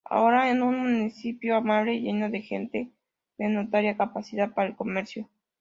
Ahora es un municipio amable, lleno de gente de notoria capacidad para el comercio.